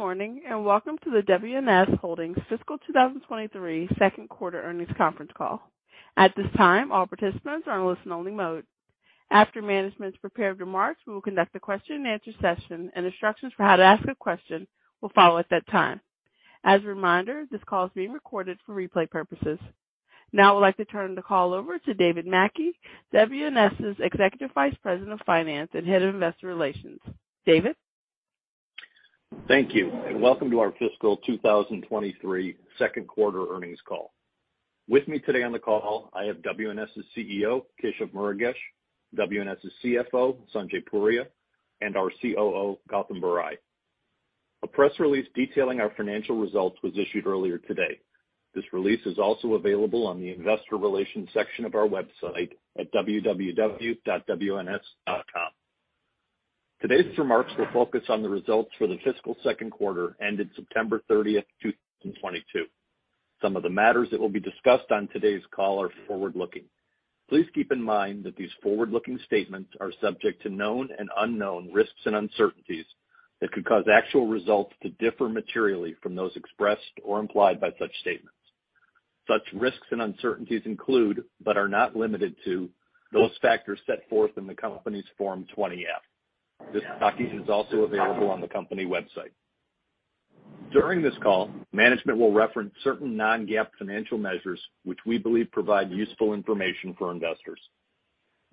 Good morning, and welcome to the WNS Holdings Fiscal 2023 Second Quarter Earnings Conference Call. At this time, all participants are on listen only mode. After management's prepared remarks, we will conduct a question-and-answer session, and instructions for how to ask a question will follow at that time. As a reminder, this call is being recorded for replay purposes. Now I'd like to turn the call over to David Mackey, WNS's Executive Vice President of Finance and Head of Investor Relations. David? Thank you, and welcome to our fiscal 2023 second quarter earnings call. With me today on the call, I have WNS's CEO, Keshav Murugesh, WNS's CFO, Sanjay Puria, and our COO, Gautam Bari. A press release detailing our financial results was issued earlier today. This release is also available on the investor relations section of our website at www.wns.com. Today's remarks will focus on the results for the fiscal second quarter ended September 30, 2022. Some of the matters that will be discussed on today's call are forward-looking. Please keep in mind that these forward-looking statements are subject to known and unknown risks and uncertainties that could cause actual results to differ materially from those expressed or implied by such statements. Such risks and uncertainties include, but are not limited to, those factors set forth in the company's Form 20-F. This document is also available on the company website. During this call, management will reference certain non-GAAP financial measures, which we believe provide useful information for investors.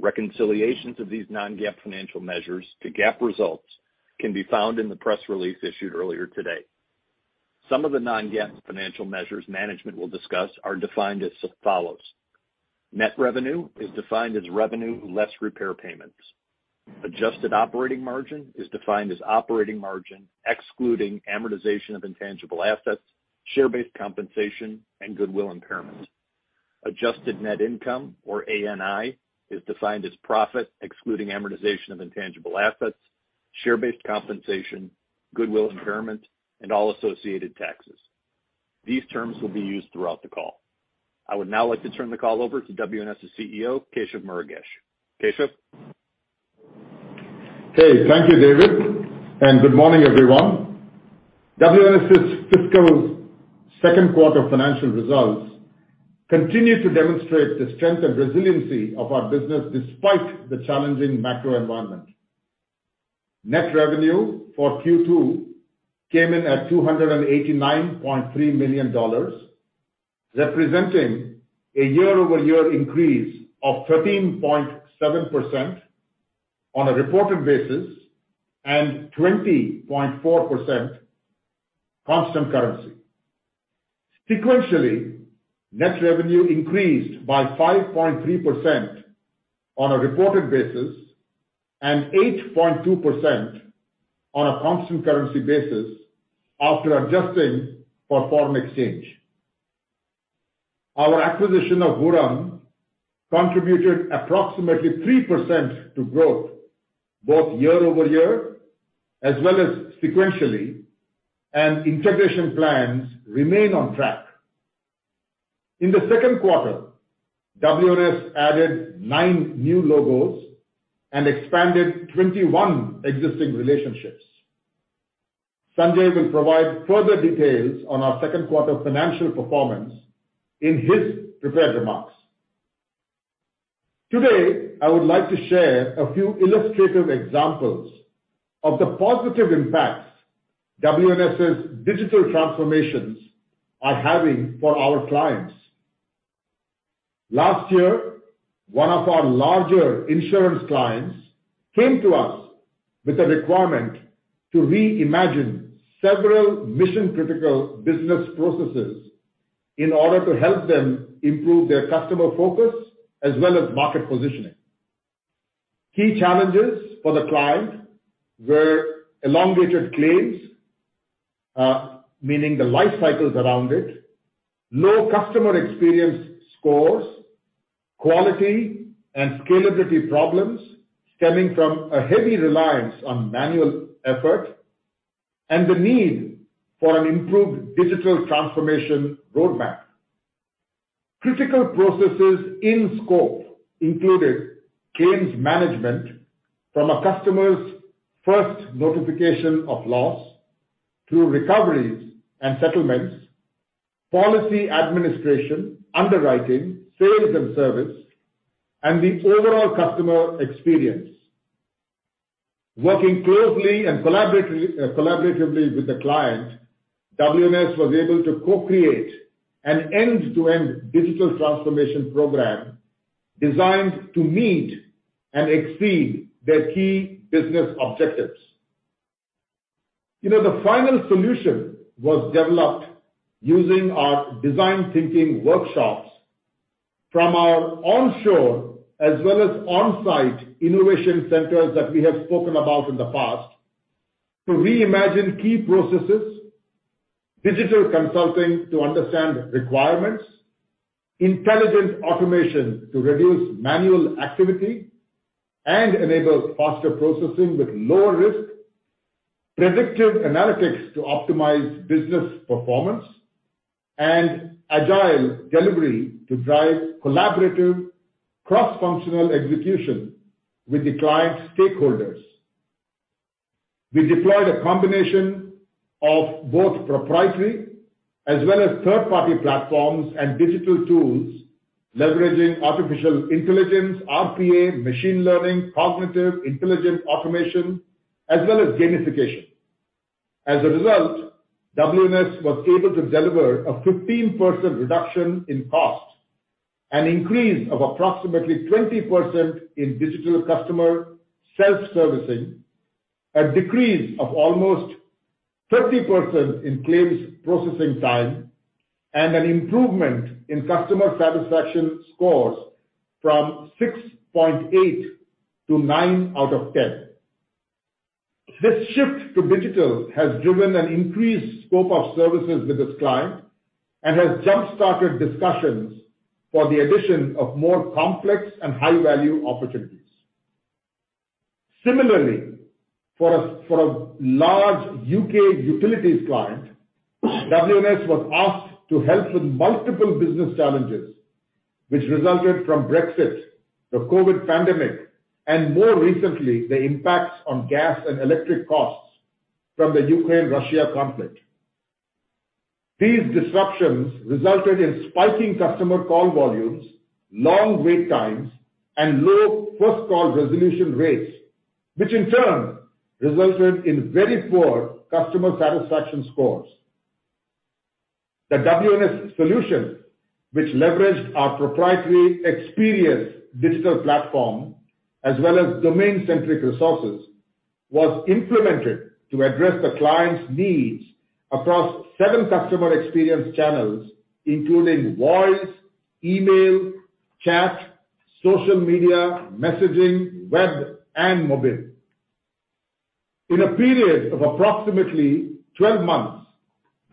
Reconciliations of these non-GAAP financial measures to GAAP results can be found in the press release issued earlier today. Some of the non-GAAP financial measures management will discuss are defined as follows. Net revenue is defined as revenue less repair payments. Adjusted operating margin is defined as operating margin excluding amortization of intangible assets, share-based compensation, and goodwill impairment. Adjusted net income, or ANI, is defined as profit excluding amortization of intangible assets, share-based compensation, goodwill impairment, and all associated taxes. These terms will be used throughout the call. I would now like to turn the call over to WNS's CEO, Keshav Murugesh. Keshav? Hey. Thank you, David, and good morning, everyone. WNS's fiscal second quarter financial results continue to demonstrate the strength and resiliency of our business despite the challenging macro environment. Net revenue for Q2 came in at $289.3 million, representing a year-over-year increase of 13.7% on a reported basis, and 20.4% constant currency. Sequentially, net revenue increased by 5.3% on a reported basis and 8.2% on a constant currency basis after adjusting for foreign exchange. Our acquisition of Vuram contributed approximately 3% to growth both year-over-year as well as sequentially, and integration plans remain on track. In the second quarter, WNS added 9 new logos and expanded 21 existing relationships. Sanjay will provide further details on our second quarter financial performance in his prepared remarks. Today, I would like to share a few illustrative examples of the positive impacts WNS's digital transformations are having for our clients. Last year, one of our larger insurance clients came to us with a requirement to reimagine several mission-critical business processes in order to help them improve their customer focus as well as market positioning. Key challenges for the client were elongated claims, meaning the life cycles around it, low customer experience scores, quality and scalability problems stemming from a heavy reliance on manual effort, and the need for an improved digital transformation roadmap. Critical processes in scope included claims management from a customer's first notification of loss through recoveries and settlements, policy administration, underwriting, sales and service, and the overall customer experience. Working closely and collaboratively with the client, WNS was able to co-create an end-to-end digital transformation program designed to meet and exceed their key business objectives. You know, the final solution was developed using our design thinking workshops from our onshore as well as on-site innovation centers that we have spoken about in the past to reimagine key processes, digital consulting to understand requirements, intelligent automation to reduce manual activity and enable faster processing with lower risk, predictive analytics to optimize business performance. Agile delivery to drive collaborative cross-functional execution with the client stakeholders. We deployed a combination of both proprietary as well as third-party platforms and digital tools leveraging artificial intelligence, RPA, machine learning, cognitive intelligent automation, as well as gamification. As a result, WNS was able to deliver a 15% reduction in cost, an increase of approximately 20% in digital customer self-servicing, a decrease of almost 30% in claims processing time, and an improvement in customer satisfaction scores from 6.8 to 9 out of 10. This shift to digital has driven an increased scope of services with this client and has jump-started discussions for the addition of more complex and high-value opportunities. Similarly, for a large UK utilities client, WNS was asked to help with multiple business challenges which resulted from Brexit, the COVID-19 pandemic, and more recently, the impacts on gas and electric costs from the Ukraine-Russia conflict. These disruptions resulted in spiking customer call volumes, long wait times, and low first-call resolution rates, which in turn resulted in very poor customer satisfaction scores. The WNS solution, which leveraged our proprietary experience digital platform as well as domain-centric resources, was implemented to address the client's needs across seven customer experience channels, including voice, email, chat, social media, messaging, web, and mobile. In a period of approximately 12 months,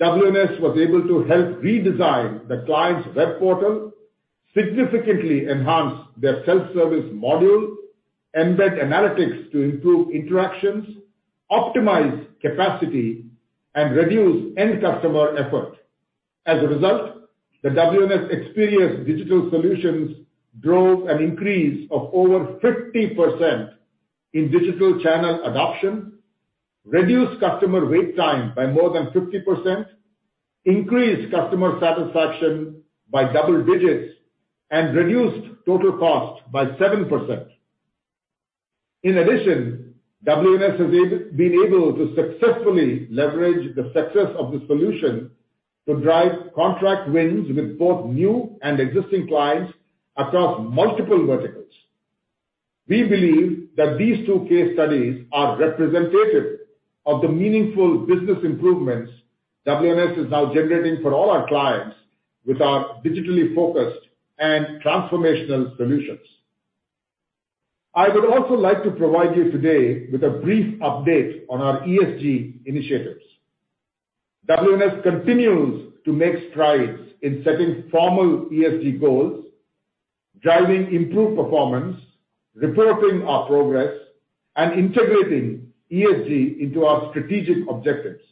WNS was able to help redesign the client's web portal, significantly enhance their self-service module, embed analytics to improve interactions, optimize capacity, and reduce end customer effort. As a result, the WNS experience digital solutions drove an increase of over 50% in digital channel adoption, reduced customer wait time by more than 50%, increased customer satisfaction by double digits, and reduced total cost by 7%. In addition, WNS has been able to successfully leverage the success of the solution to drive contract wins with both new and existing clients across multiple verticals. We believe that these two case studies are representative of the meaningful business improvements WNS is now generating for all our clients with our digitally focused and transformational solutions. I would also like to provide you today with a brief update on our ESG initiatives. WNS continues to make strides in setting formal ESG goals, driving improved performance, reporting our progress, and integrating ESG into our strategic objectives.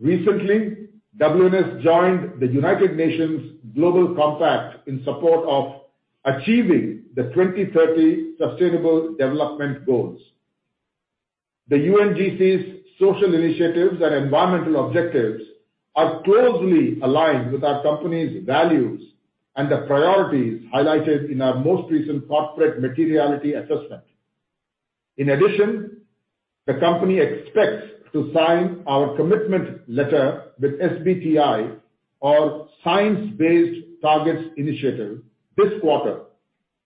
Recently, WNS joined the United Nations Global Compact in support of achieving the 2030 sustainable development goals. The UNGC's social initiatives and environmental objectives are closely aligned with our company's values and the priorities highlighted in our most recent corporate materiality assessment. In addition, the company expects to sign our commitment letter with SBTI or Science-Based Targets Initiative this quarter,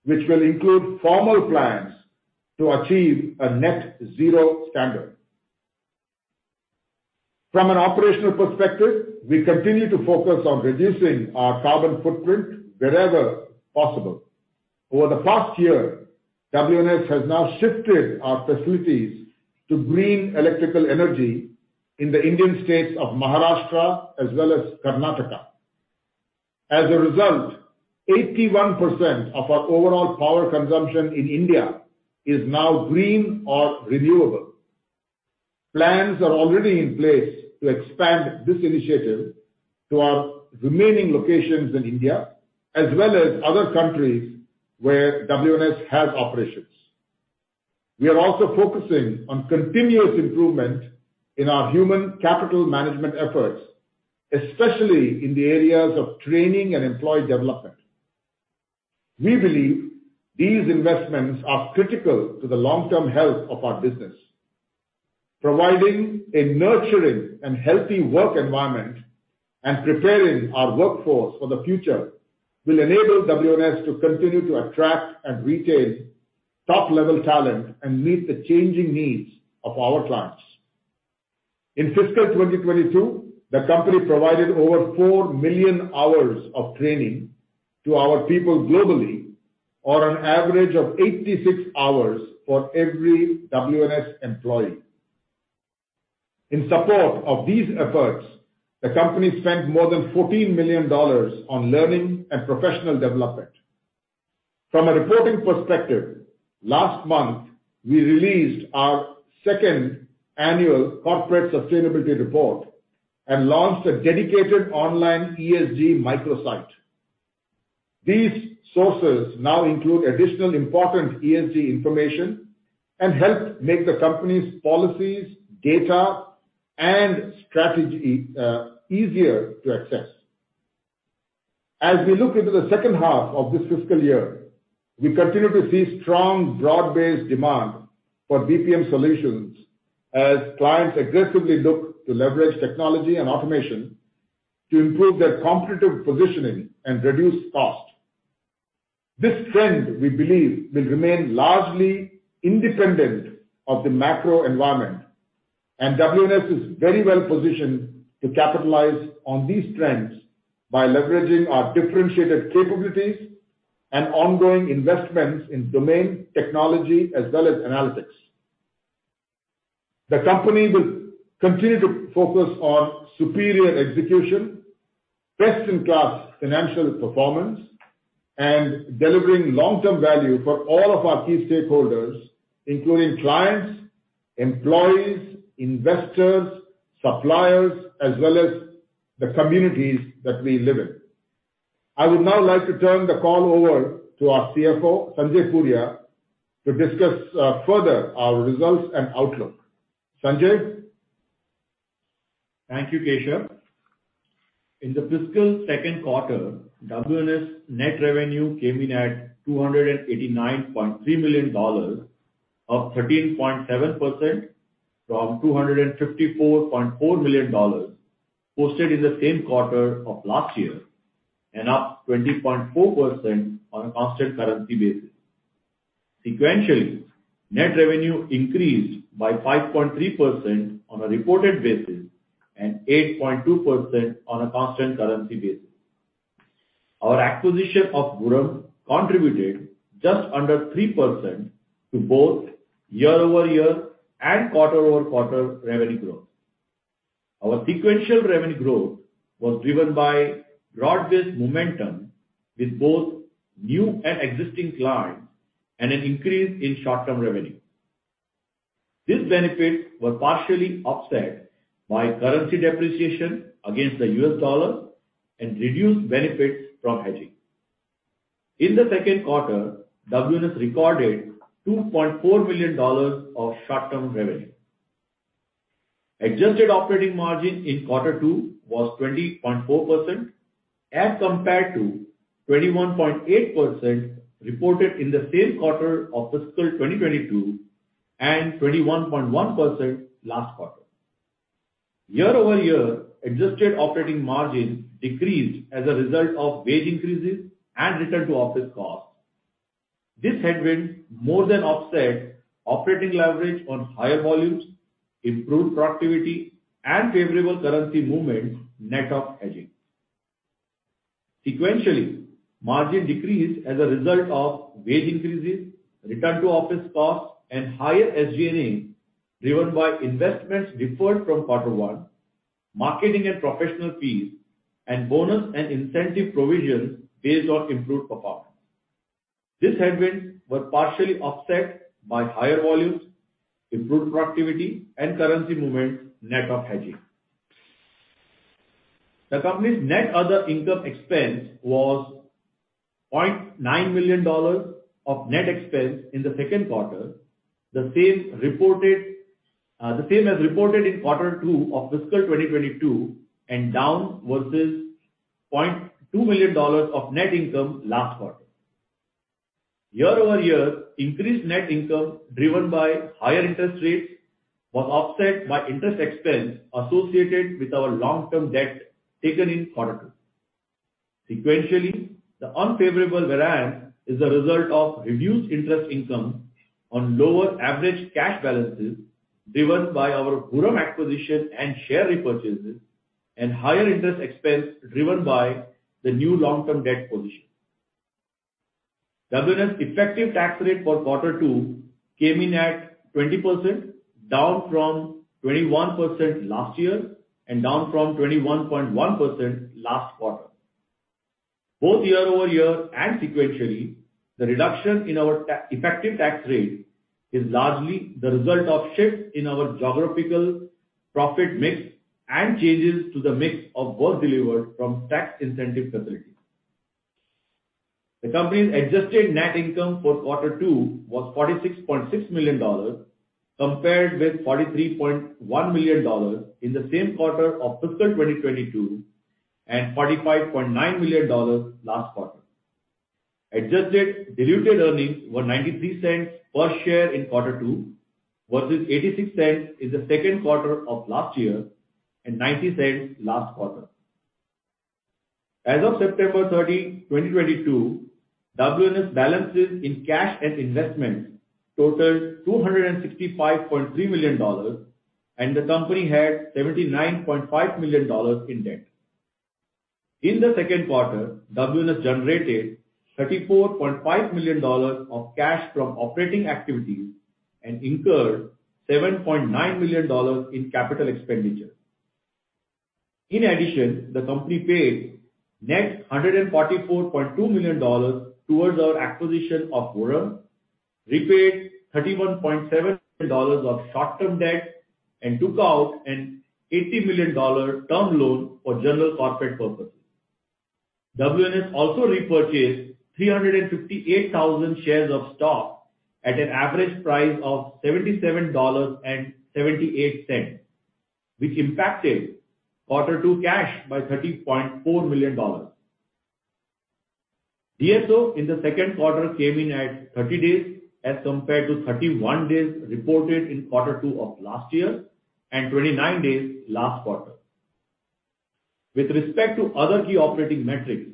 which will include formal plans to achieve a net zero standard. From an operational perspective, we continue to focus on reducing our carbon footprint wherever possible. Over the past year, WNS has now shifted our facilities to green electrical energy in the Indian states of Maharashtra as well as Karnataka. As a result, 81% of our overall power consumption in India is now green or renewable. Plans are already in place to expand this initiative to our remaining locations in India as well as other countries where WNS has operations. We are also focusing on continuous improvement in our human capital management efforts, especially in the areas of training and employee development. We believe these investments are critical to the long-term health of our business. Providing a nurturing and healthy work environment and preparing our workforce for the future will enable WNS to continue to attract and retain top-level talent and meet the changing needs of our clients. In fiscal 2022, the company provided over four million hours of training to our people globally on an average of 86 hours for every WNS employee. In support of these efforts, the company spent more than $14 million on learning and professional development. From a reporting perspective, last month we released our second annual corporate sustainability report and launched a dedicated online ESG microsite. These sources now include additional important ESG information and help make the company's policies, data, and strategy easier to access. As we look into the second half of this fiscal year, we continue to see strong broad-based demand for BPM solutions as clients aggressively look to leverage technology and automation to improve their competitive positioning and reduce cost. This trend, we believe, will remain largely independent of the macro environment, and WNS is very well positioned to capitalize on these trends by leveraging our differentiated capabilities and ongoing investments in domain technology as well as analytics. The company will continue to focus on superior execution, best-in-class financial performance, and delivering long-term value for all of our key stakeholders, including clients, employees, investors, suppliers, as well as the communities that we live in. I would now like to turn the call over to our CFO, Sanjay Puria, to discuss further our results and outlook. Sanjay. Thank you, Keshav. In the fiscal second quarter, WNS net revenue came in at $289.3 million, up 13.7% from $254.4 million posted in the same quarter of last year and up 20.4% on a constant currency basis. Sequentially, net revenue increased by 5.3% on a reported basis and 8.2% on a constant currency basis. Our acquisition of Vuram contributed just under 3% to both year-over-year and quarter-over-quarter revenue growth. Our sequential revenue growth was driven by broad-based momentum with both new and existing clients and an increase in short-term revenue. These benefits were partially offset by currency depreciation against the U.S. dollar and reduced benefits from hedging. In the second quarter, WNS recorded $2.4 million of short-term revenue. Adjusted operating margin in quarter two was 20.4% as compared to 21.8% reported in the same quarter of fiscal 2022, and 21.1% last quarter. Year-over-year adjusted operating margin decreased as a result of wage increases and return to office costs. This headwind more than offset operating leverage on higher volumes, improved productivity and favorable currency movements net of hedging. Sequentially, margin decreased as a result of wage increases, return to office costs, and higher SG&A, driven by investments deferred from quarter one, marketing and professional fees, and bonus and incentive provisions based on improved performance. These headwinds were partially offset by higher volumes, improved productivity, and currency movement net of hedging. The company's net other income expense was $0.9 million of net expense in the second quarter, the same as reported in quarter two of fiscal 2022, and down versus $0.2 million of net income last quarter. Year-over-year, increased net income driven by higher interest rates was offset by interest expense associated with our long-term debt taken in quarter two. Sequentially, the unfavorable variance is a result of reduced interest income on lower average cash balances driven by our Vuram acquisition and share repurchases, and higher interest expense driven by the new long-term debt position. WNS effective tax rate for quarter two came in at 20%, down from 21% last year and down from 21.1% last quarter. Both year-over-year and sequentially, the reduction in our effective tax rate is largely the result of shifts in our geographical profit mix and changes to the mix of work delivered from tax incentive facilities. The company's adjusted net income for quarter two was $46.6 million, compared with $43.1 million in the same quarter of fiscal 2022, and $45.9 million last quarter. Adjusted diluted earnings were $0.93 per share in quarter two versus $0.86 in the second quarter of last year, and $0.90 last quarter. As of September 13, 2022, WNS balances in cash and investments totaled $265.3 million, and the company had $79.5 million in debt. In the second quarter, WNS generated $34.5 million of cash from operating activities and incurred $7.9 million in capital expenditure. In addition, the company paid net $144.2 million towards our acquisition of Vuram, repaid $31.7 million of short-term debt, and took out an $80 million term loan for general corporate purposes. WNS also repurchased 358,000 shares of stock at an average price of $77.78, which impacted quarter two cash by $30.4 million. DSO in the second quarter came in at 30 days as compared to 31 days reported in quarter two of last year, and 29 days last quarter. With respect to other key operating metrics,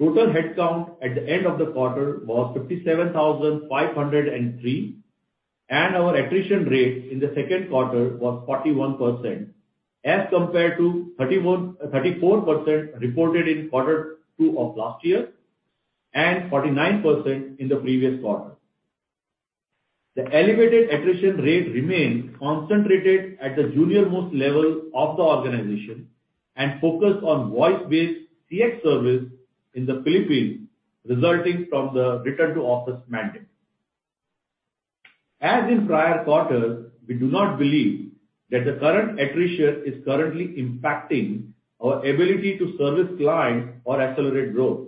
total headcount at the end of the quarter was 57,503, and our attrition rate in the second quarter was 41% as compared to 34% reported in quarter two of last year, and 49% in the previous quarter. The elevated attrition rate remained concentrated at the junior-most level of the organization and focused on voice-based CX service in the Philippines, resulting from the return to office mandate. As in prior quarters, we do not believe that the current attrition is currently impacting our ability to service clients or accelerate growth.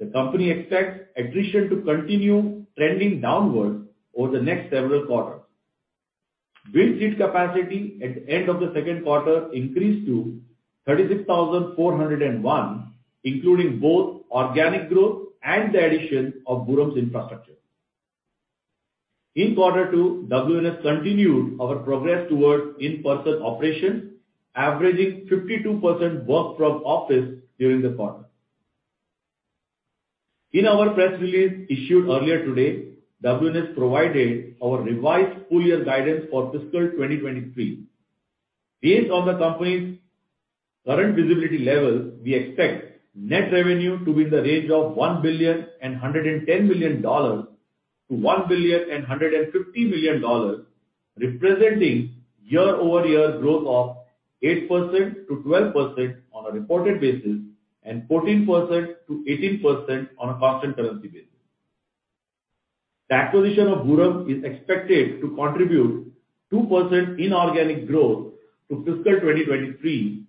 The company expects attrition to continue trending downward over the next several quarters. Billed seat capacity at the end of the second quarter increased to 36,401, including both organic growth and the addition of Vuram's infrastructure. In quarter two, WNS continued our progress towards in-person operations, averaging 52% work from office during the quarter. In our press release issued earlier today, WNS provided our revised full-year guidance for fiscal 2023. Based on the company's current visibility levels, we expect net revenue to be in the range of $1.11 billion–$1.15 billion, representing year-over-year growth of 8%–12% on a reported basis and 14%–18% on a constant currency basis. The acquisition of Vuram is expected to contribute 2% inorganic growth to fiscal 2023,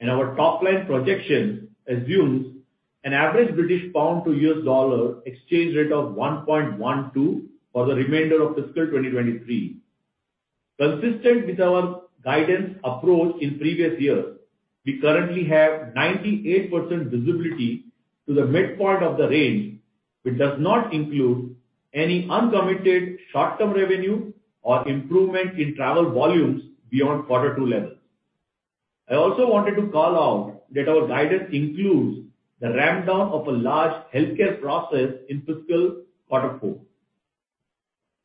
and our top-line projection assumes an average British pound to U.S. dollar exchange rate of 1.12 for the remainder of fiscal 2023. Consistent with our guidance approach in previous years, we currently have 98% visibility to the midpoint of the range, which does not include any uncommitted short-term revenue or improvement in travel volumes beyond quarter two levels. I also wanted to call out that our guidance includes the ramp down of a large healthcare process in fiscal quarter four.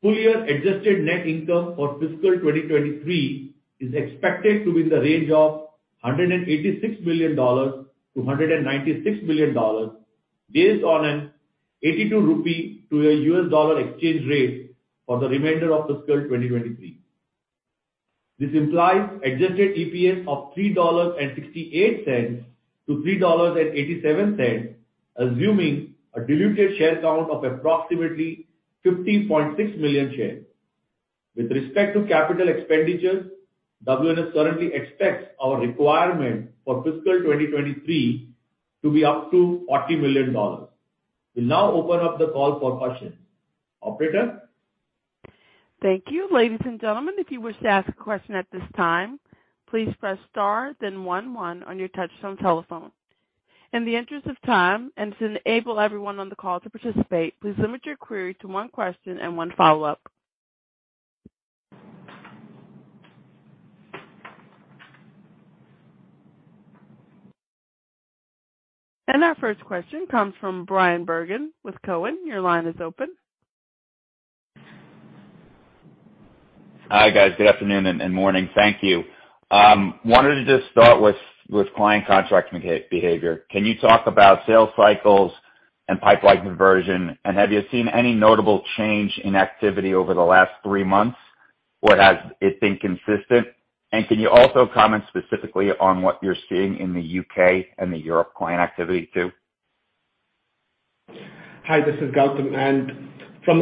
Full year adjusted net income for fiscal 2023 is expected to be in the range of $186 million–$196 million, based on an 82 rupee to a U.S. dollar exchange rate for the remainder of fiscal 2023. This implies adjusted EPS of $3.68–$3.87, assuming a diluted share count of approximately 50.6 million shares. With respect to capital expenditures, WNS currently expects our requirement for fiscal 2023 to be up to $40 million. We'll now open up the call for questions. Operator? Thank you. Ladies and gentlemen, if you wish to ask a question at this time, please press star then one one on your touch-tone telephone. In the interest of time and to enable everyone on the call to participate, please limit your query to one question and one follow-up. Our first question comes from Bryan Bergin with Cowen. Your line is open. Hi, guys. Good afternoon and morning. Thank you. Wanted to just start with client contract m-behavior. Can you talk about sales cycles and pipeline conversion? Have you seen any notable change in activity over the last three months, or has it been consistent? Can you also comment specifically on what you're seeing in the UK and the European client activity too? Hi, this is Gautam. From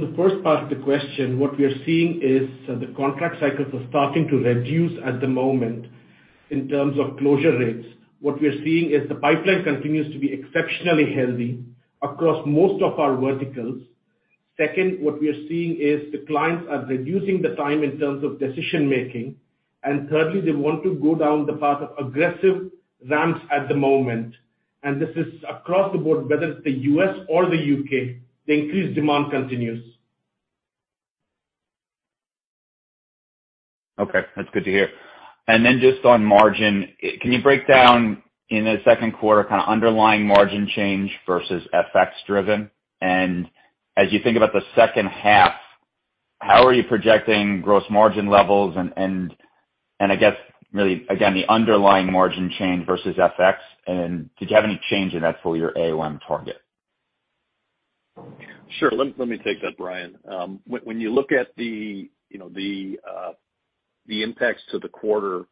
the first part of the question, what we are seeing is the contract cycles are starting to reduce at the moment in terms of closure rates. What we are seeing is the pipeline continues to be exceptionally healthy across most of our verticals. Second, what we are seeing is the clients are reducing the time in terms of decision-making. Thirdly, they want to go down the path of aggressive ramps at the moment. This is across the board, whether it's the U.S. or the UK, the increased demand continues. Okay. That's good to hear. Just on margin, can you break down in the second quarter kinda underlying margin change versus FX driven? As you think about the second half, how are you projecting gross margin levels and I guess really again, the underlying margin change versus FX, and did you have any change in that full year AOM target? Sure. Let me take that, Bryan. When you look at the, you know, the impacts to the quarter,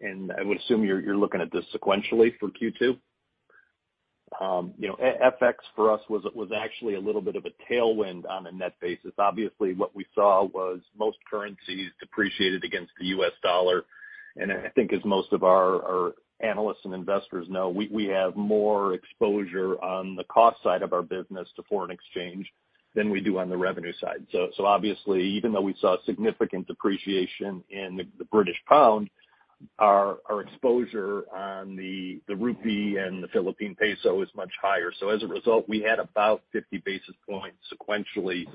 and I would assume you're looking at this sequentially for Q2. You know, FX for us was actually a little bit of a tailwind on a net basis. Obviously, what we saw was most currencies depreciated against the U.S. dollar. I think as most of our analysts and investors know, we have more exposure on the cost side of our business to foreign exchange than we do on the revenue side. Obviously, even though we saw significant depreciation in the British pound, our exposure on the rupee and the Philippine peso is much higher. As a result, we had about 50 basis points sequentially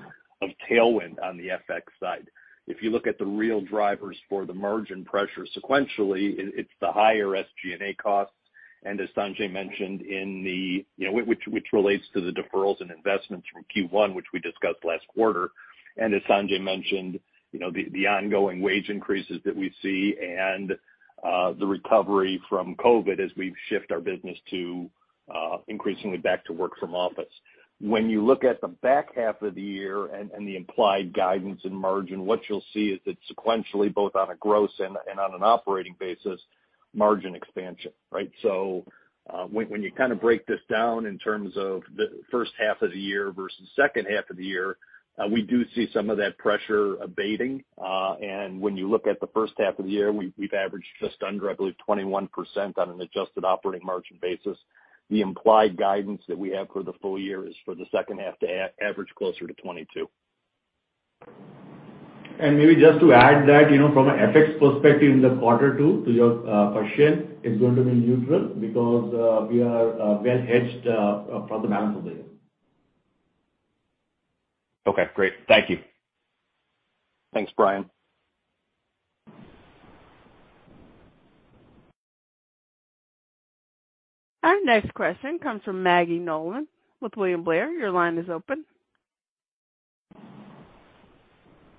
of tailwind on the FX side. If you look at the real drivers for the margin pressure sequentially, it's the higher SG&A costs. As Sanjay mentioned, you know, which relates to the deferrals and investments from Q1, which we discussed last quarter. As Sanjay mentioned, you know, the ongoing wage increases that we see and the recovery from COVID-19 as we shift our business to increasingly back to work from office. When you look at the back half of the year and the implied guidance in margin, what you'll see is that sequentially, both on a gross and on an operating basis, margin expansion, right? When you kinda break this down in terms of the first half of the year versus second half of the year, we do see some of that pressure abating. When you look at the first half of the year, we've averaged just under, I believe, 21% on an adjusted operating margin basis. The implied guidance that we have for the full year is for the second half to average closer to 22%. Maybe just to add that, you know, from an FX perspective in the quarter two, to your question, it's going to be neutral because we are well hedged for the balance of the year. Okay, great. Thank you. Thanks, Bryan. Our next question comes from Maggie Nolan with William Blair. Your line is open.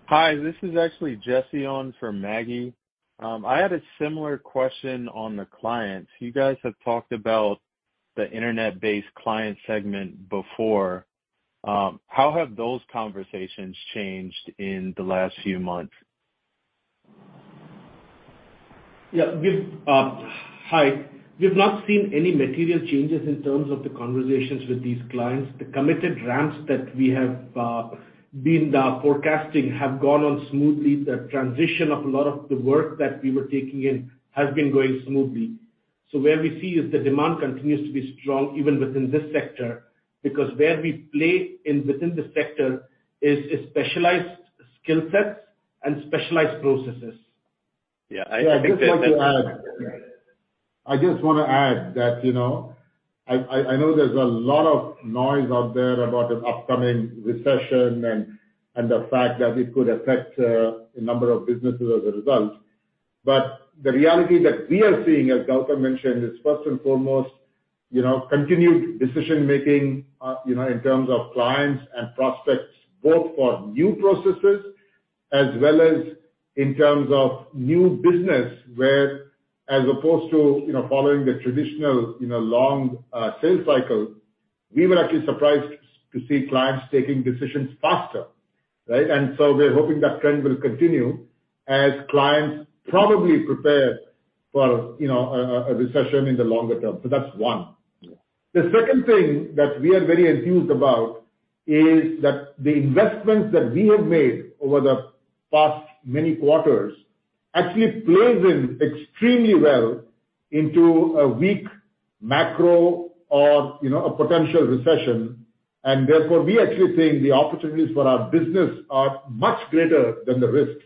Hi, this is actually Jesse on for Maggie. I had a similar question on the clients. You guys have talked about the internet-based client segment before. How have those conversations changed in the last few months? We've not seen any material changes in terms of the conversations with these clients. The committed ramps that we have been forecasting have gone on smoothly. The transition of a lot of the work that we were taking in has been going smoothly. Where we see is the demand continues to be strong, even within this sector, because where we play in the sector is a specialized skill sets and specialized processes. Yeah. I think that. I just want to add that, you know, I know there's a lot of noise out there about an upcoming recession and the fact that it could affect a number of businesses as a result. The reality that we are seeing, as Gautam mentioned, is first and foremost, you know, continued decision-making, you know, in terms of clients and prospects, both for new processes as well as in terms of new business where as opposed to, you know, following the traditional, you know, long sales cycle, we were actually surprised to see clients taking decisions faster, right? We're hoping that trend will continue as clients probably prepare for, you know, a recession in the longer term. That's one. Yeah. The second thing that we are very enthused about is that the investments that we have made over the past many quarters actually plays in extremely well into a weak macro or, you know, a potential recession. Therefore, we actually think the opportunities for our business are much greater than the risks.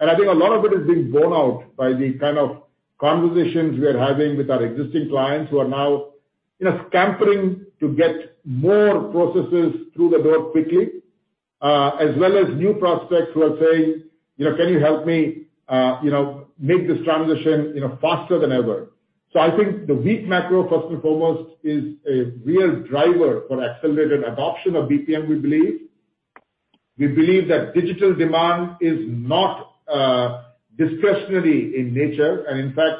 I think a lot of it is being borne out by the kind of conversations we are having with our existing clients who are now, you know, scampering to get more processes through the door quickly, as well as new prospects who are saying, you know, "Can you help me, you know, make this transition, you know, faster than ever?" I think the weak macro, first and foremost, is a real driver for accelerated adoption of BPM, we believe. We believe that digital demand is not, discretionary in nature. In fact,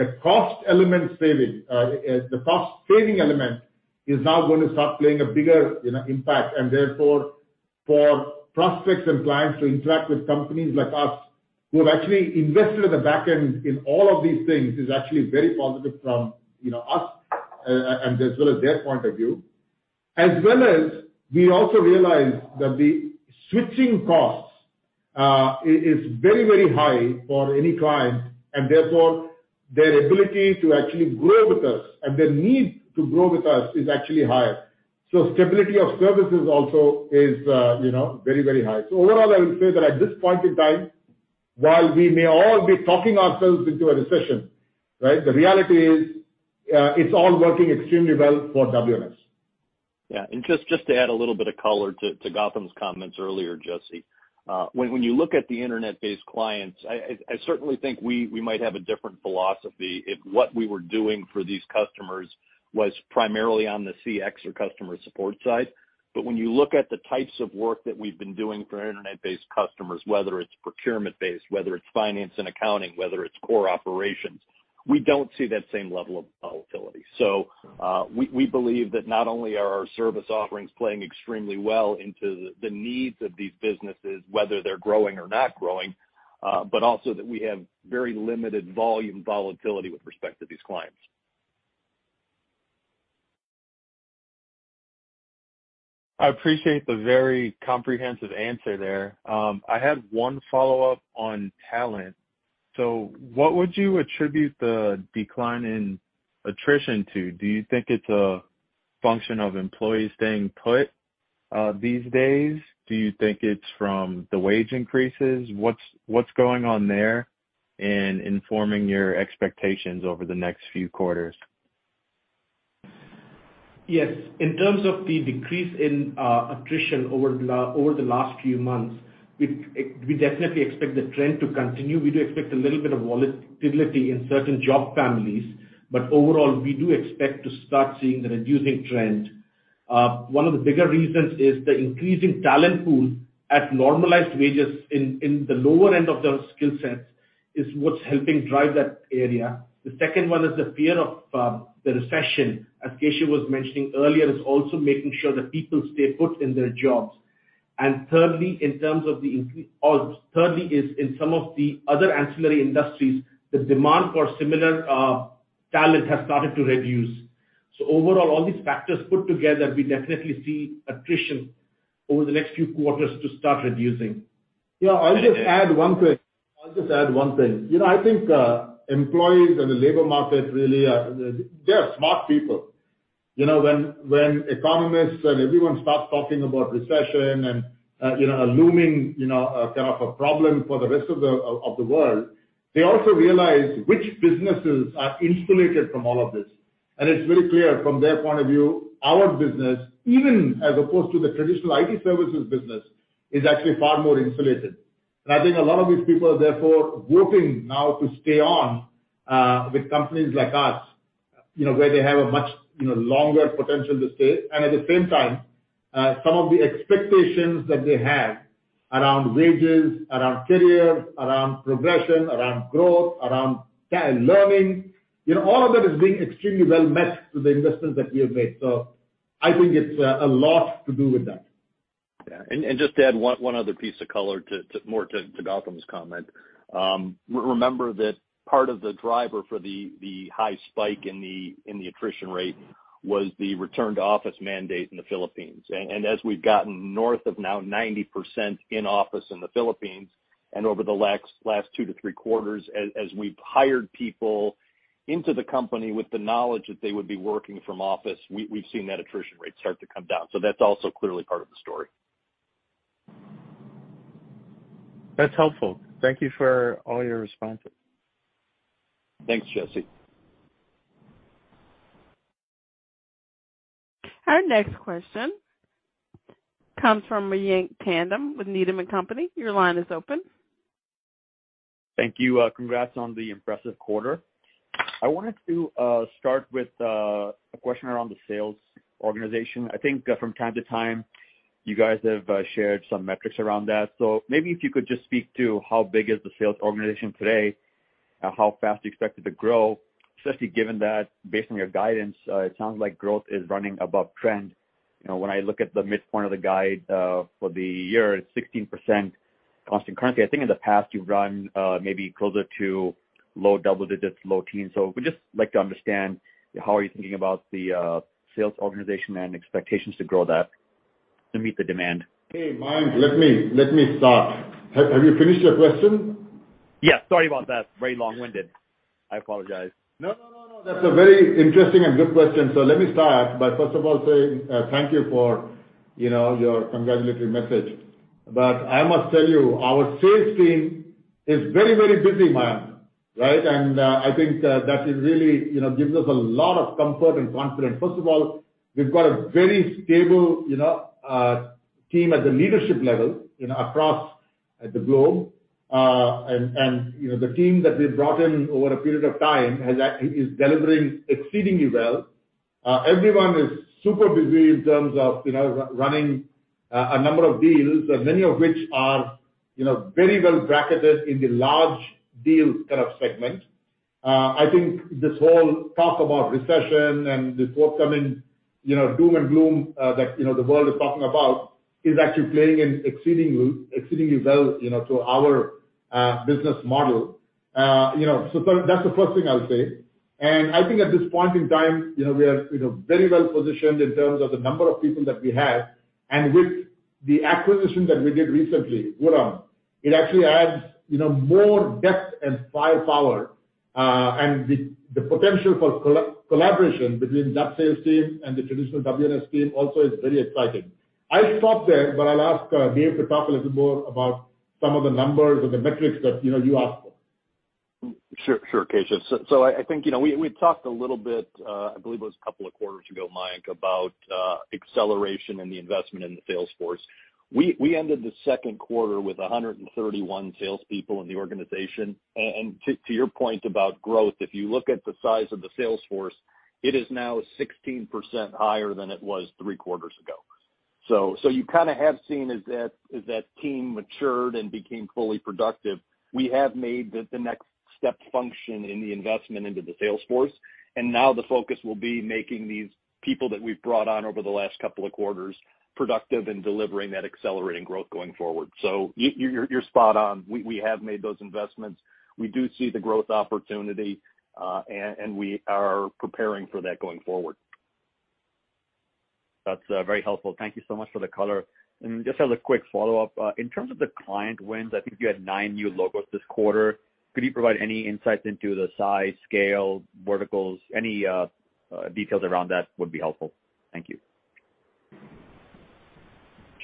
the cost element saving, the cost saving element is now going to start playing a bigger, you know, impact and therefore for prospects and clients to interact with companies like us, who have actually invested at the back end in all of these things, is actually very positive from, you know, us, and as well as their point of view. As well as we also realize that the switching costs is very, very high for any client, and therefore their ability to actually grow with us and their need to grow with us is actually higher. Stability of services also is, you know, very, very high. Overall, I would say that at this point in time, while we may all be talking ourselves into a recession, right, the reality is, it's all working extremely well for WNS. Yeah. Just to add a little bit of color to Gautam's comments earlier, Jesse. When you look at the internet-based clients, I certainly think we might have a different philosophy if what we were doing for these customers was primarily on the CX or customer support side. But when you look at the types of work that we've been doing for our internet-based customers, whether it's procurement-based, whether it's finance and accounting, whether it's core operations, we don't see that same level of volatility. We believe that not only are our service offerings playing extremely well into the needs of these businesses, whether they're growing or not growing, but also that we have very limited volume volatility with respect to these clients. I appreciate the very comprehensive answer there. I had one follow-up on talent. What would you attribute the decline in attrition to? Do you think it's a function of employees staying put, these days? Do you think it's from the wage increases? What's going on there in informing your expectations over the next few quarters? Yes. In terms of the decrease in attrition over the last few months, we definitely expect the trend to continue. We do expect a little bit of volatility in certain job families, but overall, we do expect to start seeing the reducing trend. One of the bigger reasons is the increasing talent pool at normalized wages in the lower end of the skill sets is what's helping drive that area. The second one is the fear of the recession, as Keshav was mentioning earlier, is also making sure that people stay put in their jobs. Thirdly, in some of the other ancillary industries, the demand for similar talent has started to reduce. Overall, all these factors put together, we definitely see attrition over the next few quarters to start reducing. Yeah, I'll just add one thing. You know, I think employees in the labor market really are. They are smart people. You know, when economists and everyone start talking about recession and, you know, a looming, you know, kind of a problem for the rest of the, of the world, they also realize which businesses are insulated from all of this. It's very clear from their point of view, our business, even as opposed to the traditional IT services business, is actually far more insulated. I think a lot of these people are therefore working now to stay on, with companies like us, you know, where they have a much, you know, longer potential to stay. At the same time, some of the expectations that they have around wages, around careers, around progression, around growth, around talent learning, you know, all of that is being extremely well matched to the investments that we have made. I think it's a lot to do with that. Yeah. Just to add one other piece of color to more to Gautam's comment. Remember that part of the driver for the high spike in the attrition rate was the return to office mandate in the Philippines. As we've gotten north of now 90% in office in the Philippines, and over the last 2–3 quarters, as we've hired people into the company with the knowledge that they would be working from office, we've seen that attrition rate start to come down. That's also clearly part of the story. That's helpful. Thank you for all your responses. Thanks, Jesse. Our next question comes from Mayank Tandon with Needham & Company. Your line is open. Thank you. Congrats on the impressive quarter. I wanted to start with a question around the sales organization. I think from time to time, you guys have shared some metrics around that. Maybe if you could just speak to how big is the sales organization today, how fast you expect it to grow, especially given that based on your guidance, it sounds like growth is running above trend. You know, when I look at the midpoint of the guide for the year, it's 16% constant currency. I think in the past you've run maybe closer to low double digits, low teens. Would just like to understand how are you thinking about the sales organization and expectations to grow that to meet the demand. Hey, Mayank, let me start. Have you finished your question? Yeah. Sorry about that. Very long-winded. I apologize. No, that's a very interesting and good question. Let me start by first of all saying, thank you for, you know, your congratulatory message. I must tell you, our sales team is very, very busy, Mayank, right? I think that is really, you know, gives us a lot of comfort and confidence. First of all, we've got a very stable, you know, team at the leadership level, you know, across the globe. The team that we've brought in over a period of time is delivering exceedingly well. Everyone is super busy in terms of, you know, running a number of deals, many of which are, you know, very well bracketed in the large deals kind of segment. I think this whole talk about recession and this forthcoming, you know, doom and gloom that, you know, the world is talking about is actually playing in exceedingly well, you know, to our business model. That's the first thing I'll say. I think at this point in time, you know, we are, you know, very well positioned in terms of the number of people that we have. With the acquisition that we did recently, Vuram, it actually adds, you know, more depth and firepower, and the potential for collaboration between that sales team and the traditional WNS team also is very exciting. I'll stop there, but I'll ask David to talk a little more about some of the numbers or the metrics that, you know, you asked for. Sure, Keshav. I think, you know, we talked a little bit. I believe it was a couple of quarters ago, Mayank, about acceleration and the investment in the sales force. We ended the second quarter with 131 salespeople in the organization. To your point about growth, if you look at the size of the sales force, it is now 16% higher than it was three quarters ago. You kind of have seen as that team matured and became fully productive. We have made the next step function in the investment into the sales force. Now the focus will be making these people that we have brought on over the last couple of quarters productive in delivering that accelerating growth going forward. You are spot on. We have made those investments. We do see the growth opportunity, and we are preparing for that going forward. That's very helpful. Thank you so much for the color. Just as a quick follow-up, in terms of the client wins, I think you had 9 new logos this quarter. Could you provide any insights into the size, scale, verticals? Any details around that would be helpful. Thank you.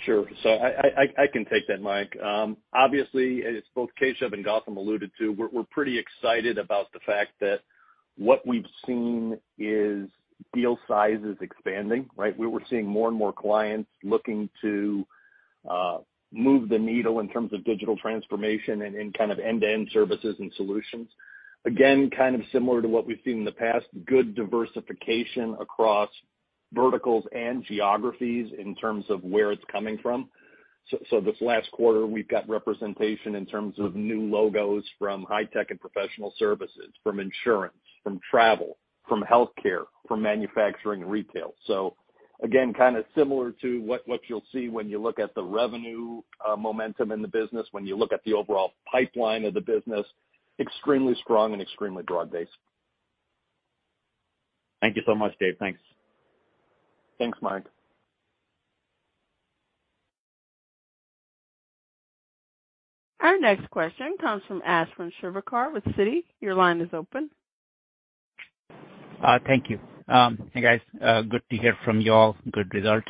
I can take that, Mayank. Obviously, as both Keshav and Gautam alluded to, we're pretty excited about the fact that what we've seen is deal size is expanding, right? We were seeing more and more clients looking to move the needle in terms of digital transformation and in kind of end-to-end services and solutions. Again, kind of similar to what we've seen in the past, good diversification across verticals and geographies in terms of where it's coming from. This last quarter, we've got representation in terms of new logos from high-tech and professional services, from insurance, from travel, from healthcare, from manufacturing and retail. Again, kind of similar to what you'll see when you look at the revenue momentum in the business, when you look at the overall pipeline of the business, extremely strong and extremely broad-based. Thank you so much, David. Thanks. Thanks, Mayank Tandon. Our next question comes from Ashwin Shirvaikar with Citi. Your line is open. Thank you. Hey, guys, good to hear from you all. Good results.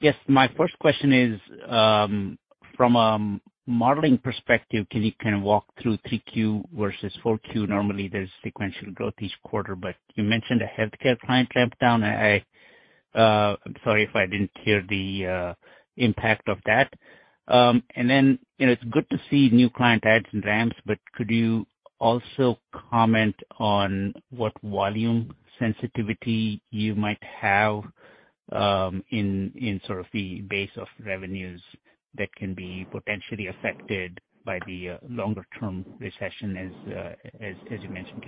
Yes, my first question is, from a modeling perspective, can you kind of walk through 3Q versus 4Q? Normally, there's sequential growth each quarter, but you mentioned a healthcare client ramp down. I'm sorry if I didn't hear the impact of that. You know, it's good to see new client adds and ramps, but could you also comment on what volume sensitivity you might have, in sort of the base of revenues that can be potentially affected by the longer term recession as you mentioned,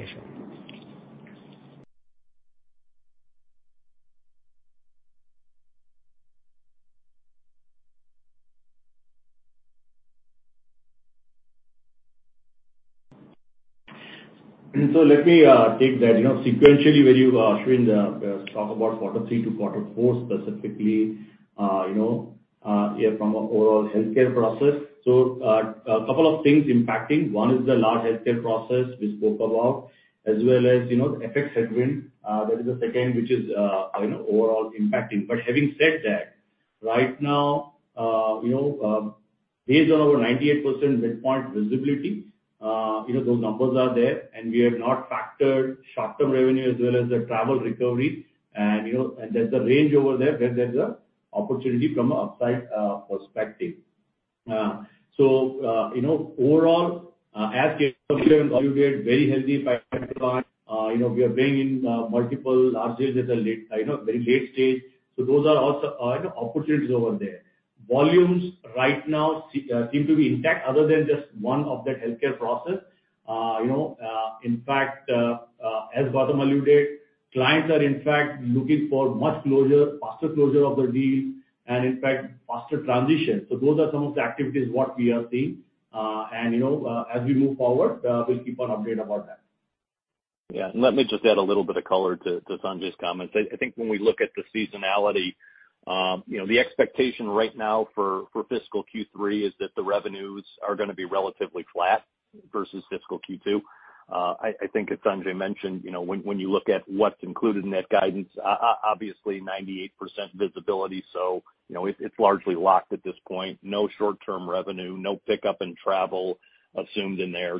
Keshav? Let me take that. You know, sequentially, when you, Ashwin, talk about quarter three to quarter four, specifically, you know, yeah, from an overall healthcare process. A couple of things impacting. One is the large healthcare process we spoke about, as well as, you know, the FX headwind. That is the second which is, you know, overall impacting. But having said that, right now, you know, based on our 98% midpoint visibility, you know, those numbers are there, and we have not factored short-term revenue as well as the travel recovery. You know, there's a range over there where there's an opportunity from an upside perspective. You know, overall, as Keshav alluded, very healthy pipeline. You know, we are bringing in multiple large deals at a late, you know, very late stage. Those are also, you know, opportunities over there. Volumes right now seem to be intact other than just one of that healthcare process. You know, in fact, as Gautam alluded, clients are in fact looking for much closure, faster closure of their deals and in fact, faster transition. Those are some of the activities, what we are seeing. You know, as we move forward, we'll keep you updated about that. Yeah. Let me just add a little bit of color to Sanjay's comments. I think when we look at the seasonality, you know, the expectation right now for fiscal Q3 is that the revenues are going to be relatively flat versus fiscal Q2. I think as Sanjay mentioned, you know, when you look at what's included in that guidance, obviously 98% visibility. You know, it's largely locked at this point. No short-term revenue, no pickup in travel assumed in there.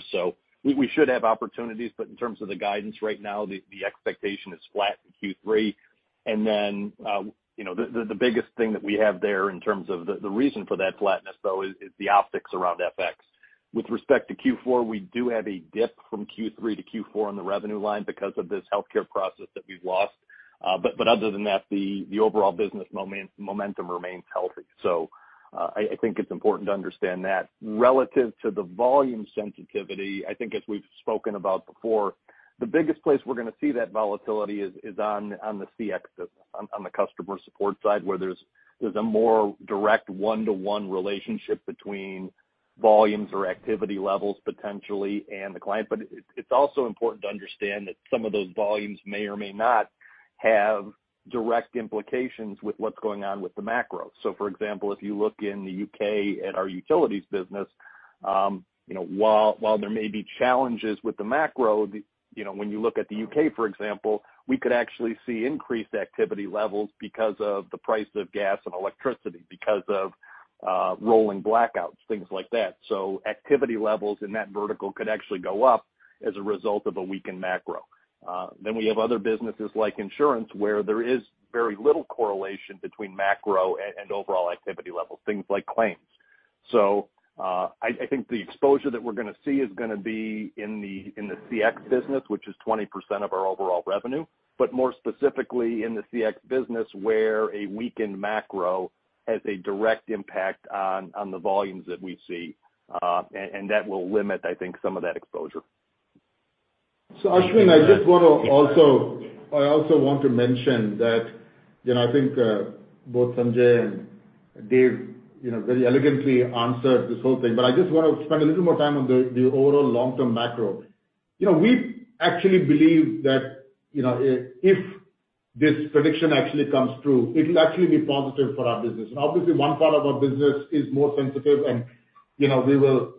We should have opportunities, but in terms of the guidance right now, the expectation is flat in Q3. The biggest thing that we have there in terms of the reason for that flatness though is the optics around FX. With respect to Q4, we do have a dip from Q3 to Q4 on the revenue line because of this healthcare process that we've lost. Other than that, the overall business momentum remains healthy. I think it's important to understand that. Relative to the volume sensitivity, I think as we've spoken about before, the biggest place we're going to see that volatility is on the CX business, on the customer support side, where there's a more direct one-to-one relationship between volumes or activity levels potentially and the client. It's also important to understand that some of those volumes may or may not have direct implications with what's going on with the macro. For example, if you look in the UK at our utilities business, you know, while there may be challenges with the macro, you know, when you look at the UK, for example, we could actually see increased activity levels because of the price of gas and electricity, because of rolling blackouts, things like that. Activity levels in that vertical could actually go up as a result of a weakened macro. Then we have other businesses like insurance, where there is very little correlation between macro and overall activity levels, things like claims. I think the exposure that we're going to see is going to be in the CX business, which is 20% of our overall revenue. More specifically in the CX business, where a weakened macro has a direct impact on the volumes that we see, and that will limit, I think, some of that exposure. Ashwin, I also want to mention that, you know, I think both Sanjay and David, you know, very elegantly answered this whole thing, but I just want to spend a little more time on the overall long-term macro. You know, we actually believe that, you know, if this prediction actually comes true, it'll actually be positive for our business. Obviously one part of our business is more sensitive and, you know, we will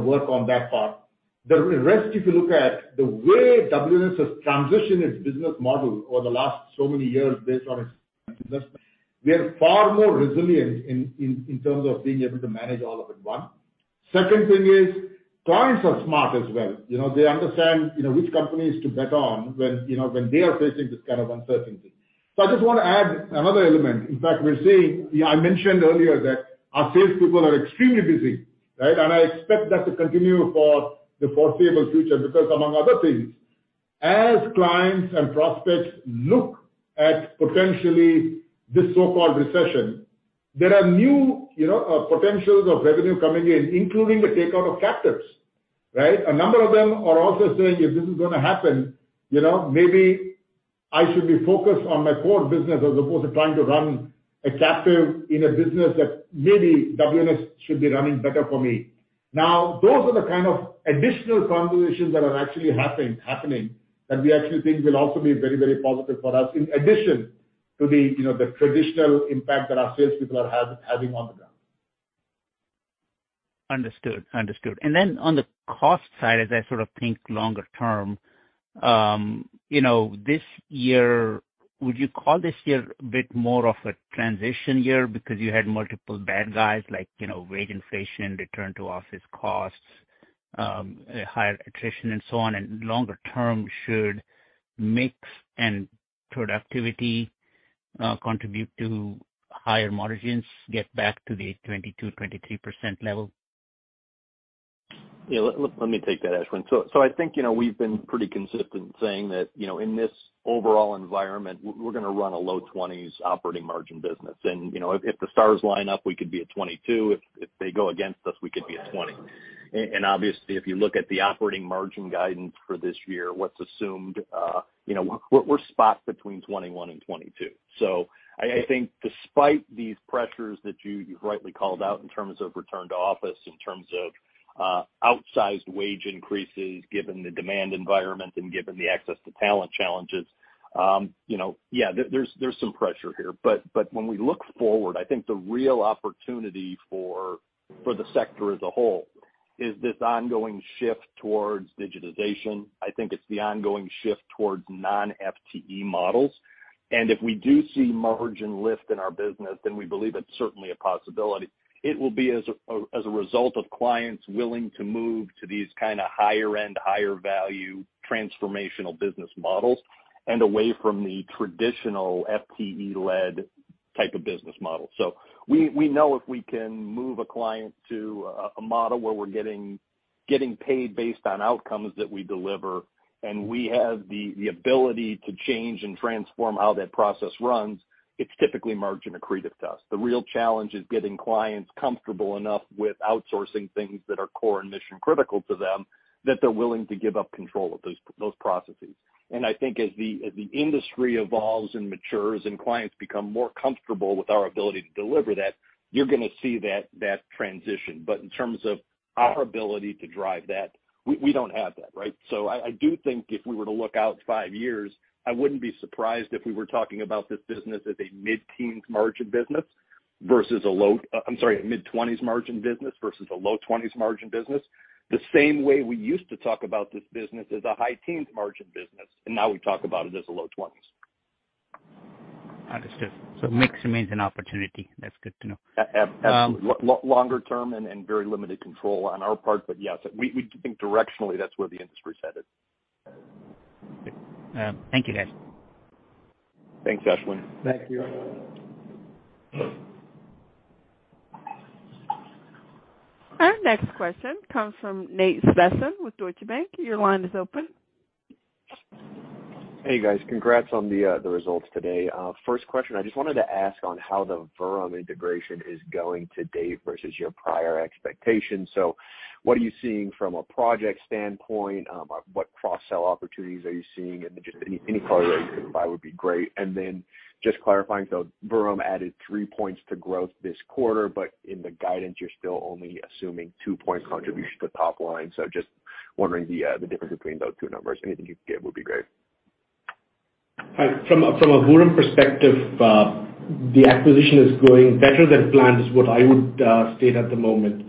work on that part. The rest, if you look at the way WNS has transitioned its business model over the last so many years based on it, we are far more resilient in terms of being able to manage all of it, one. Second thing is clients are smart as well. You know, they understand, you know, which companies to bet on when, you know, when they are facing this kind of uncertainty. I just want to add another element. In fact, we're seeing. I mentioned earlier that our salespeople are extremely busy, right? I expect that to continue for the foreseeable future because among other things, as clients and prospects look at potentially this so-called recession, there are new, you know, potentials of revenue coming in, including the takeout of captives, right? A number of them are also saying, "If this is going to happen, you know, maybe I should be focused on my core business as opposed to trying to run a captive in a business that maybe WNS should be running better for me." Now, those are the kind of additional conversations that are actually happening that we actually think will also be very, very positive for us, in addition to the, you know, the traditional impact that our salespeople are having on the ground. Understood. On the cost side, as I sort of think longer term, you know, this year, would you call this year a bit more of a transition year because you had multiple bad guys like, you know, wage inflation, return to office costs, higher attrition and so on, and longer term should mix and productivity contribute to higher margins get back to the 22%-23% level? Yeah, let me take that, Ashwin. I think, you know, we've been pretty consistent saying that, you know, in this overall environment, we're going to run a low 20s operating margin business. You know, if the stars line up, we could be at 22%. If they go against us, we could be at 20%. Obviously, if you look at the operating margin guidance for this year, what's assumed, you know, we're sort of between 21%–22%. I think despite these pressures that you've rightly called out in terms of return to office, in terms of outsized wage increases given the demand environment and given the access to talent challenges, you know, yeah, there's some pressure here. When we look forward, I think the real opportunity for the sector as a whole is this ongoing shift towards digitization. I think it's the ongoing shift towards non-FTE models. If we do see margin lift in our business, then we believe it's certainly a possibility. It will be as a result of clients willing to move to these kinda higher-end, higher value transformational business models and away from the traditional FTE-led type of business model. We know if we can move a client to a model where we're getting paid based on outcomes that we deliver, and we have the ability to change and transform how that process runs, it's typically margin accretive to us. The real challenge is getting clients comfortable enough with outsourcing things that are core and mission critical to them, that they're willing to give up control of those processes. I think as the industry evolves and matures and clients become more comfortable with our ability to deliver that, you're going to see that transition. In terms of our ability to drive that, we don't have that, right? I do think if we were to look out five years, I wouldn't be surprised if we were talking about this business as a mid-twenties margin business versus a low twenties margin business, the same way we used to talk about this business as a high teens margin business, and now we talk about it as a low twenties. Understood. Mix remains an opportunity. That's good to know. Absolutely. Longer term and very limited control on our part, but yes, we think directionally that's where the industry's headed. Okay. Thank you guys. Thanks, Ashwin. Thank you. Our next question comes from Nate Svensson with Deutsche Bank. Your line is open. Hey, guys. Congrats on the results today. First question, I just wanted to ask on how the Vuram integration is going to date versus your prior expectations. What are you seeing from a project standpoint? What cross-sell opportunities are you seeing? Just any color you can provide would be great. Then just clarifying, Vuram added 3 points to growth this quarter, but in the guidance, you're still only assuming 2-point contribution to the top line. Just wondering the difference between those two numbers. Anything you can give would be great. From a Vuram perspective, the acquisition is going better than planned, is what I would state at the moment.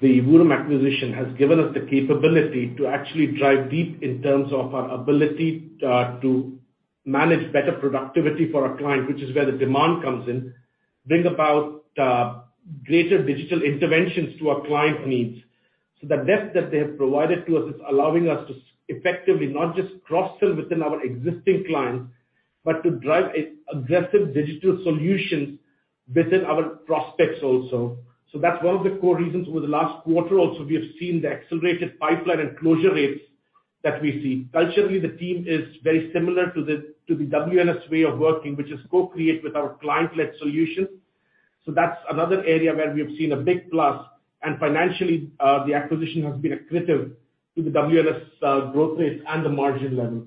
The Vuram acquisition has given us the capability to actually drive deep in terms of our ability to manage better productivity for our client, which is where the demand comes in, bring about greater digital interventions to our client needs. The depth that they have provided to us is allowing us to effectively not just cross-sell within our existing clients, but to drive an aggressive digital solution within our prospects also. That's one of the core reasons over the last quarter also, we have seen the accelerated pipeline and closure rates that we see. Culturally, the team is very similar to the WNS way of working, which is co-create with our client-led solution. That's another area where we have seen a big plus. Financially, the acquisition has been accretive to the WNS growth rates and the margin levels.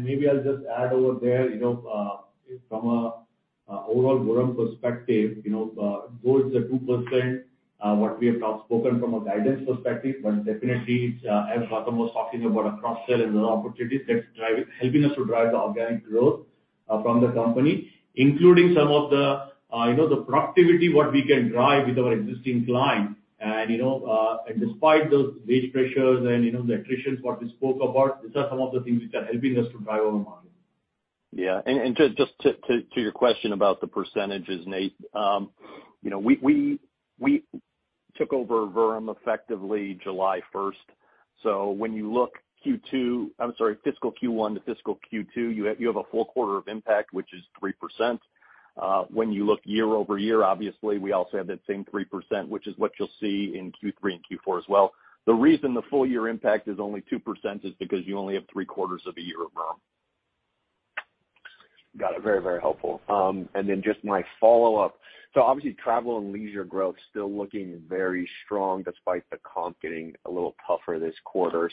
Maybe I'll just add over there, you know, from an overall WNS perspective, you know, towards the 2%, what we have now spoken from a guidance perspective, but definitely it's, as Gautam was talking about, a cross-sell and the opportunities that's driving, helping us to drive the organic growth, from the company, including some of the, you know, the productivity, what we can drive with our existing client. You know, and despite those wage pressures and, you know, the attritions, what we spoke about, these are some of the things which are helping us to drive our margin. Just to your question about the percentages, Nate, you know, we took over Vuram effectively July first. When you look, I'm sorry, fiscal Q1 to fiscal Q2, you have a full quarter of impact, which is 3%. When you look year-over-year, obviously we also have that same 3%, which is what you'll see in Q3 and Q4 as well. The reason the full-year impact is only 2% is because you only have three quarters of a year of Vuram. Got it. Very, very helpful. Then just my follow-up. Obviously travel and leisure growth still looking very strong despite the comp getting a little tougher this quarter.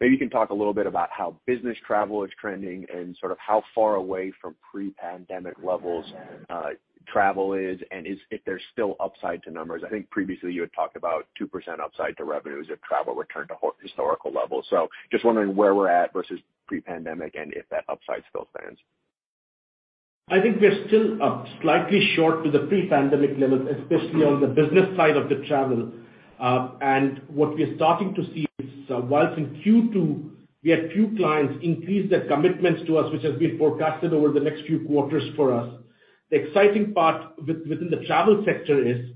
Maybe you can talk a little bit about how business travel is trending and sort of how far away from pre-pandemic levels, travel is, and if there's still upside to numbers. I think previously you had talked about 2% upside to revenues if travel returned to historical levels. Just wondering where we're at versus pre-pandemic and if that upside still stands. I think we're still slightly short to the pre-pandemic levels, especially on the business side of the travel. What we're starting to see is, while in Q2 we had few clients increase their commitments to us, which has been forecasted over the next few quarters for us, the exciting part within the travel sector is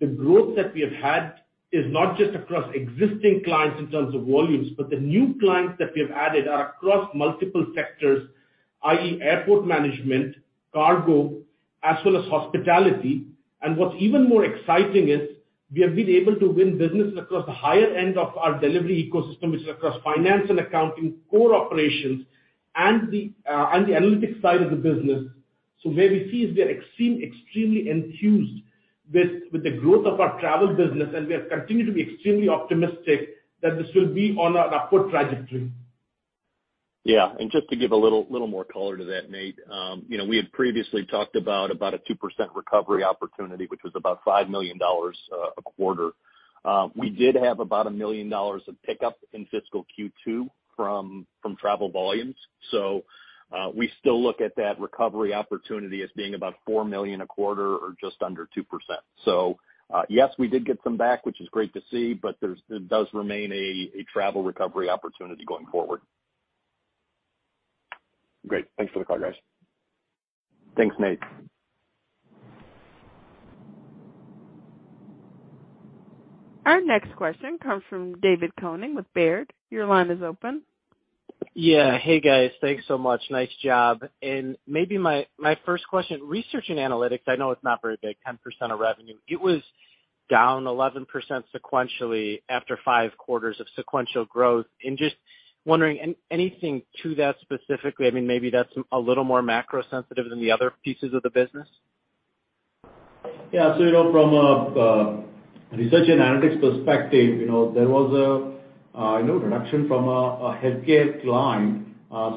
the growth that we have had is not just across existing clients in terms of volumes, but the new clients that we have added are across multiple sectors, i.e. airport management, cargo, as well as hospitality. What's even more exciting is we have been able to win business across the higher end of our delivery ecosystem, which is across finance and accounting, core operations, and the analytics side of the business. Where we see is we are extremely enthused with the growth of our travel business, and we have continued to be extremely optimistic that this will be on an upward trajectory. Yeah. Just to give a little more color to that, Nate, you know, we had previously talked about a 2% recovery opportunity, which was about $5 million a quarter. We did have about $1 million of pickup in fiscal Q2 from travel volumes. We still look at that recovery opportunity as being about $4 million a quarter or just under 2%. Yes, we did get some back, which is great to see, but it does remain a travel recovery opportunity going forward. Great. Thanks for the color, guys. Thanks, Nate. Our next question comes from David Koning with Baird. Your line is open. Yeah. Hey, guys. Thanks so much. Nice job. Maybe my first question, research and analytics, I know it's not very big, 10% of revenue. It was down 11% sequentially after five quarters of sequential growth. Just wondering, anything to that specifically? I mean, maybe that's a little more macro sensitive than the other pieces of the business. Yeah. You know, from a research and analytics perspective, you know, there was a reduction from a healthcare client,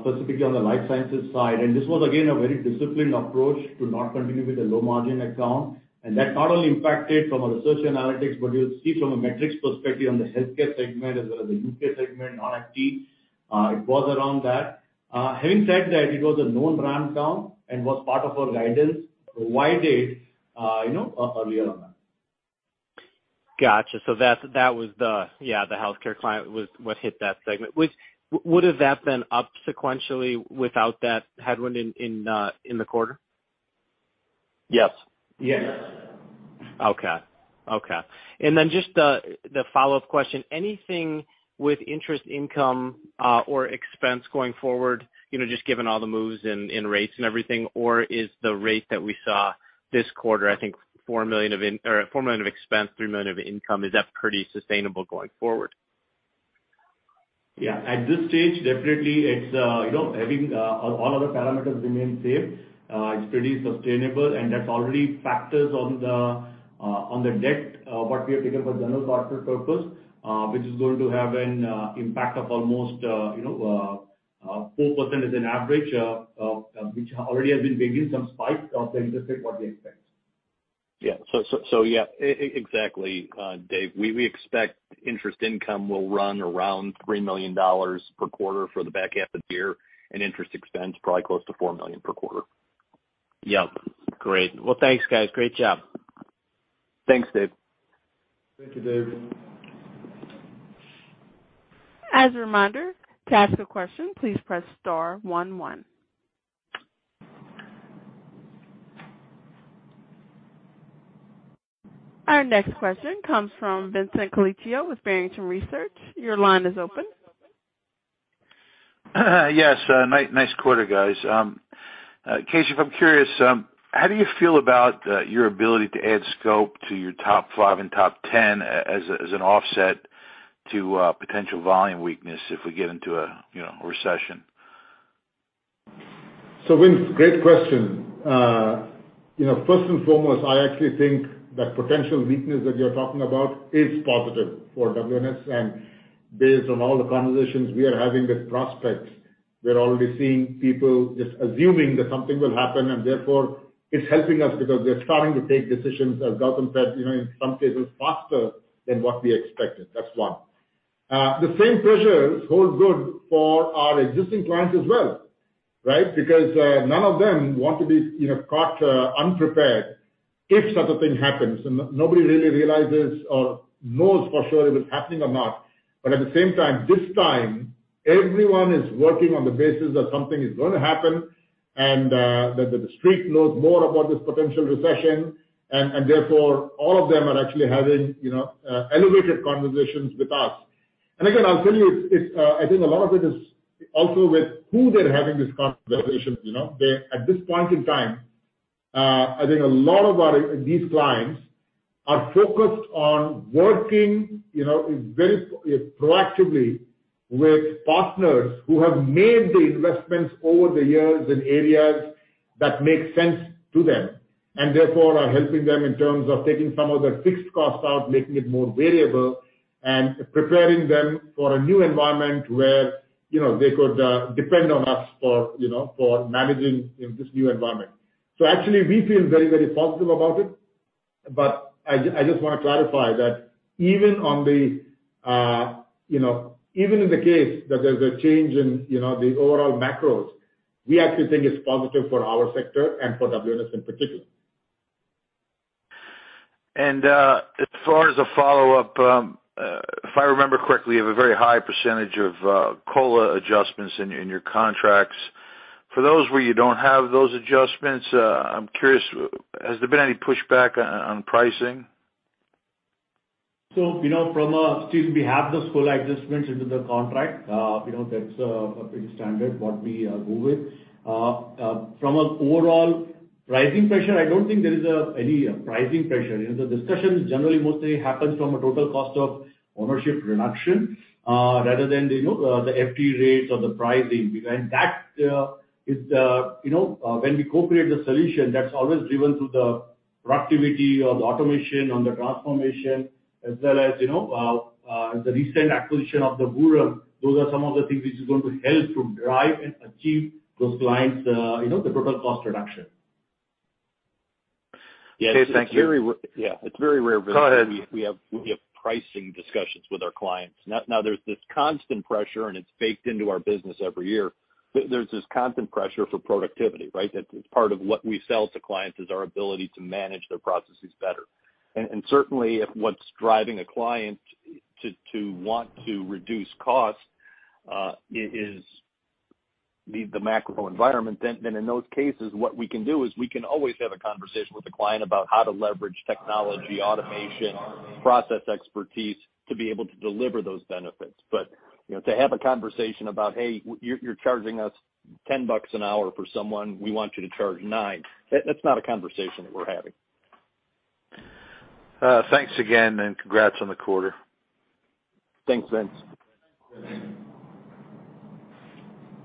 specifically on the life sciences side. This was again a very disciplined approach to not continue with a low margin account. That not only impacted from a research analytics, but you'll see from a metrics perspective on the healthcare segment as well as the UK segment, non-IT, it was around that. Having said that, it was a known ramp down and was part of our guidance widened, you know, earlier on that. Gotcha. That was the, yeah, the healthcare client was what hit that segment. Which would have that been up sequentially without that headwind in the quarter? Yes. Yes. Okay. Just the follow-up question. Anything with interest income or expense going forward, you know, just given all the moves in rates and everything? Is the rate that we saw this quarter, I think $4 million of expense, $3 million of income, pretty sustainable going forward? Yeah. At this stage, definitely it's having all other parameters remain same, it's pretty sustainable. That already factors in the debt that we have taken for general corporate purpose, which is going to have an impact of almost 4% as an average, which already has been baking some spike of the interest rate that we expect. Yeah, exactly, David. We expect interest income will run around $3 million per quarter for the back half of the year, and interest expense probably close to $4 million per quarter. Yep. Great. Well, thanks, guys. Great job. Thanks, David. Thank you, David. As a reminder, to ask a question, please press star one one. Our next question comes from Vincent Colicchio with Barrington Research. Your line is open. Yes, nice quarter guys. Keshav, I'm curious, how do you feel about your ability to add scope to your top five and top ten as an offset to potential volume weakness if we get into a, you know, a recession? Vince, great question. First and foremost, I actually think that potential weakness that you're talking about is positive for WNS. Based on all the conversations we are having with prospects, we're already seeing people just assuming that something will happen, and therefore it's helping us because they're starting to take decisions, as Gautam said, you know, in some cases faster than what we expected. That's one. The same pressures hold good for our existing clients as well, right? Because none of them want to be, you know, caught unprepared if such a thing happens. Nobody really realizes or knows for sure if it's happening or not. At the same time, this time everyone is working on the basis that something is going to happen and that The Street knows more about this potential recession. Therefore all of them are actually having, you know, elevated conversations with us. Again, I'll tell you, it's, I think a lot of it is also with who they're having these conversations, you know? At this point in time, I think these clients are focused on working, you know, very proactively with partners who have made the investments over the years in areas that make sense to them, and therefore are helping them in terms of taking some of their fixed costs out, making it more variable, and preparing them for a new environment where, you know, they could, depend on us for, you know, for managing in this new environment. Actually we feel very, very positive about it. I just want to clarify that even on the, you know, even in the case that there's a change in, you know, the overall macros, we actually think it's positive for our sector and for WNS in particular. As far as a follow-up, if I remember correctly, you have a very high percentage of COLA adjustments in your contracts. For those where you don't have those adjustments, I'm curious, has there been any pushback on pricing? Still we have those COLA adjustments into the contract. You know, that's pretty standard what we go with. From a overall pricing pressure, I don't think there is any pricing pressure. You know, the discussions generally mostly happens from a total cost of ownership reduction, rather than, you know, the FTE rates or the pricing. Because that is. You know, when we co-create the solution, that's always driven through the productivity or the automation on the transformation, as well as, you know, the recent acquisition of the Vuram. Those are some of the things which is going to help to drive and achieve those clients, you know, the total cost reduction. Keshav, thank you. Yes. Yeah, it's very rare, Vincent. Go ahead. We have pricing discussions with our clients. Now there's this constant pressure, and it's baked into our business every year. There's this constant pressure for productivity, right? That it's part of what we sell to clients is our ability to manage their processes better. Certainly if what's driving a client to want to reduce cost is the macro environment, then in those cases what we can do is we can always have a conversation with the client about how to leverage technology, automation, process expertise to be able to deliver those benefits. You know, to have a conversation about, "Hey, you're charging us $10 an hour for someone, we want you to charge $9," that's not a conversation that we're having. Thanks again, and congrats on the quarter. Thanks, Vince.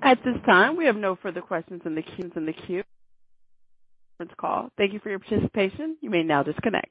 At this time, we have no further questions in the queue. Thank you for your participation. You may now disconnect.